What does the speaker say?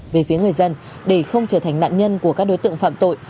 về phía người dân để không trở thành nạn nhân của các đối tượng phạm tội